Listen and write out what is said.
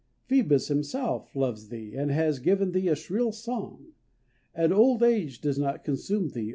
Phoebus himself loves thee, and has given thee a shrill song. And old age does not consume thee.